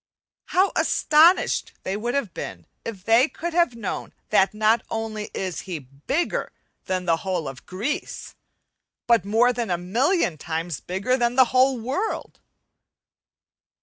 How astonished they would have been if they could have known that not only is he bigger than the whole of Greece, but more than a million times bigger than the whole world!